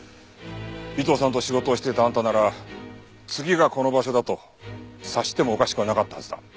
尾藤さんと仕事をしていたあんたなら次がこの場所だと察してもおかしくはなかったはずだ。